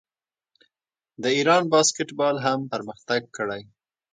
د ایران باسکیټبال هم پرمختګ کړی.